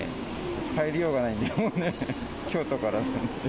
帰りようがないんで、もうね、京都からなんで。